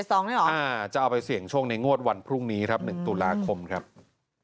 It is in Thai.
โหลงนี้จะเอาไปเสี่ยงช่วงในงวดวันพรุ่งนี้๑ตรครั้ง